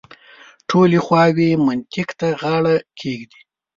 ټولې خواوې منطق ته غاړه کېږدي.